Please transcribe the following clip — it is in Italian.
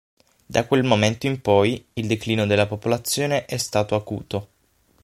Da quel momento in poi, il declino della popolazione è stato acuto.